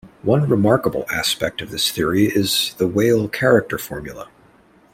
One remarkable aspect of this theory is the Weyl character formula.